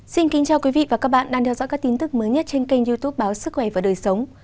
xin kính chào quý vị và các bạn đang theo dõi các tin tức mới nhất trên kênh youtube báo sức khỏe và đời sống